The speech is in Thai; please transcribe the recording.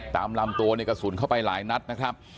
ตามลำตัวในกระสุนเข้าไปหลายนัดนะครับ